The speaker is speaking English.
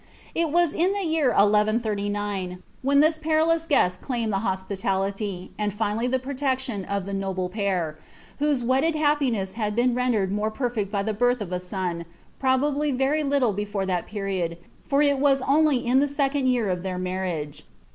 * It was in the jear 1139 when this perilous guest claimed the hospitality, and finsJly the protec Iwtti of Uie Doble pair, whose weilded happiness had been rendered more farfect by the birth of a son, probably very little before that period, for a vu only in the second year of their marriage.